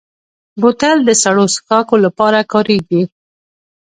بوتل د سړو څښاکو لپاره کارېږي.